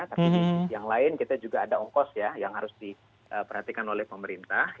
tapi di yang lain kita juga ada ongkos ya yang harus diperhatikan oleh pemerintah